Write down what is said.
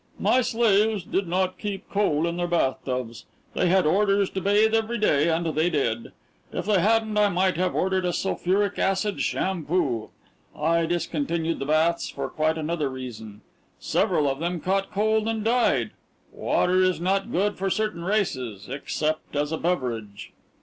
"My slaves did not keep coal in their bathtubs. They had orders to bathe every day, and they did. If they hadn't I might have ordered a sulphuric acid shampoo. I discontinued the baths for quite another reason. Several of them caught cold and died. Water is not good for certain races except as a beverage."